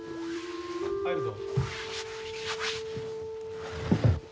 入るぞ。